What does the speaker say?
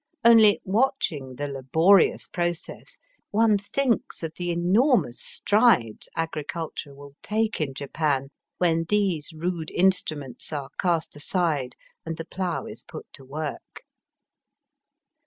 Only, watching the laborious process, one thinks of the enormous strides agriculture will take in Japan when these rude instruments are cast aside and the plough is put to work.